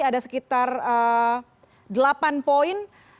ada sekitar delapan poin